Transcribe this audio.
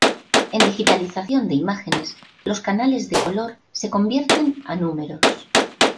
En digitalización de imágenes, los canales de color se convierten a números.